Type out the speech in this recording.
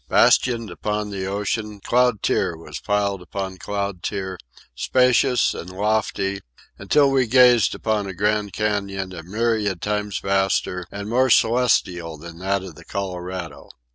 Bastioned upon the ocean cloud tier was piled upon cloud tier, spacious and lofty, until we gazed upon a Grand Canyon a myriad times vaster and more celestial than that of the Colorado.